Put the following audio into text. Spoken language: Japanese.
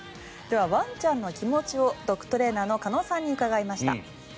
では、ワンちゃんの気持ちをドッグトレーナーの鹿野さんに伺いました。